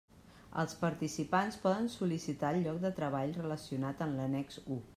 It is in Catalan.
Els participants poden sol·licitar el lloc de treball relacionat en l'annex u.